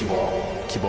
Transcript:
希望。